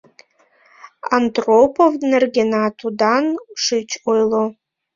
Андропов нергенат удан шыч ойло.